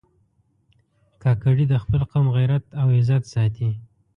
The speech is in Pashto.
کاکړي د خپل قوم غیرت او عزت ساتي.